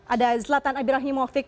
ada zlatan abirahimovic